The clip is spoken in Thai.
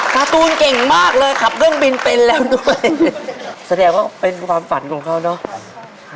การ์ตูนเก่งมากเลยขับเครื่องบินเป็นแล้วด้วยแสดงว่าเป็นความฝันของเขาเนาะ